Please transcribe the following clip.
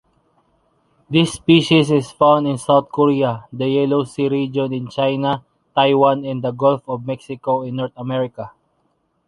This species is found in South Korea, the Yellow Sea region in China, Taiwan and the Gulf of Mexico in North America.